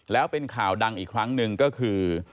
แล้วเป็นข่าวดังอีกครั้งหนึ่งก็คือ